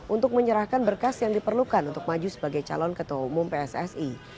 untuk menyerahkan berkas yang diperlukan untuk maju sebagai calon ketua umum pssi